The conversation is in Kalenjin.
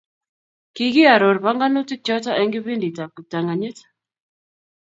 Kikiaror panganutik chotok eng kipindit ab kiptanganyit.